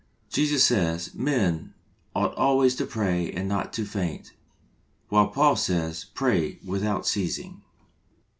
Jesus says, '' Men ought always to pray and not to faint, while Paul says, " Pray without ceasing.